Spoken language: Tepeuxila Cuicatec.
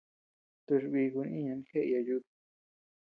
Tochi bikun iñan jeeya yuta.